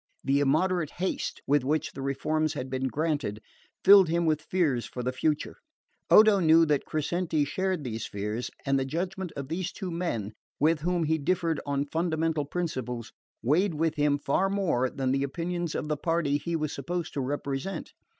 The immoderate haste with which the reforms had been granted filled him with fears for the future. Odo knew that Crescenti shared these fears, and the judgment of these two men, with whom he differed on fundamental principles, weighed with him far more than the opinions of the party he was supposed to represent.